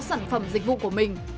sản phẩm dịch vụ của mình